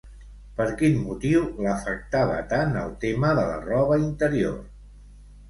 Per quin motiu l'afectava tant el tema de la roba interior?